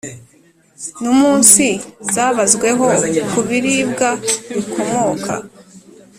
n umunsi zabazweho Ku biribwa bikomoka